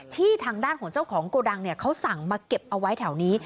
ทางด้านของเจ้าของโกดังเขาสั่งมาเก็บเอาไว้แถวนี้